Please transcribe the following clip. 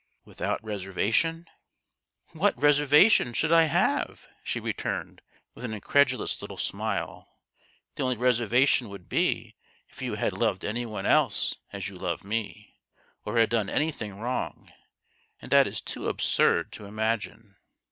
" Without reservation ?" "What reservation should I have?" she returned, with an incredulous little smile. " The only reservation would be if you had loved any one else as you love me, or had done anything wrong ; and that is too absurd to imagine